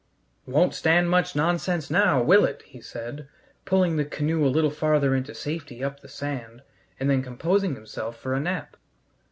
"Won't stand much nonsense now, will it?" he said, pulling the canoe a little farther into safety up the sand, and then composing himself for a nap.